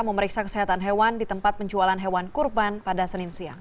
memeriksa kesehatan hewan di tempat penjualan hewan kurban pada senin siang